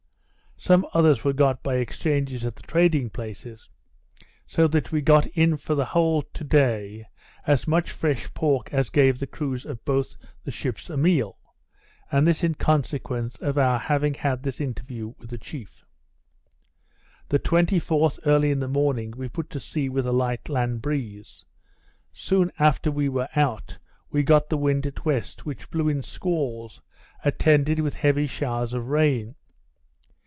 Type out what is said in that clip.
Some others were got by exchanges at the trading places; so that we got in the whole, to day, as much fresh pork as gave the crews of both the ships a meal; and this in consequence of our having this interview with the chief. The 24th, early in the morning, we put to sea with a light land breeze. Soon after we were out, we got the wind at west, which blew in squalls, attended with heavy showers of rain.